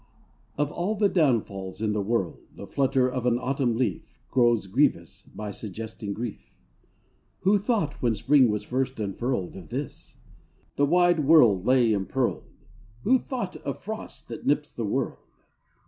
YAF all the downfalls in the world ^ The flutter of an Autumn leaf Grows grievous by suggesting grief ; Who thought, when Spring was first unfurled, Of this ? The wide world lay empearled : Who thought of frost that nips the world